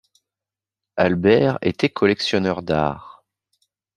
Aldred était collectionneur d'art.